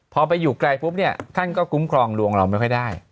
พอไปอยู่ไกลปุ๊บเนี่ยท่านก็คุ้มครองดวงเราไม่ค่อยได้